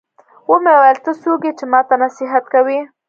ومې ويل ته څوک يې چې ما ته نصيحت کوې.